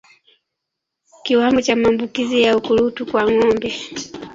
Kiwango cha maambukizi ya ukurutu kwa ngombe